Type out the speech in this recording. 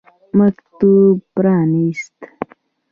مکتوب پرانیست.